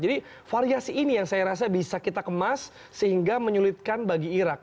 jadi variasi ini yang saya rasa bisa kita kemas sehingga menyulitkan bagi irak